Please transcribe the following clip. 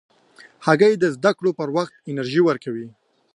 هګۍ د زده کړو پر وخت انرژي ورکوي.